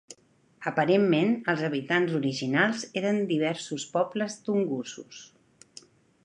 Aparentment, els habitants originals eren diversos pobles tungusos.